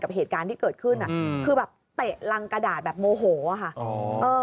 เหตุการณ์ที่เกิดขึ้นคือแบบเตะรังกระดาษแบบโมโหค่ะ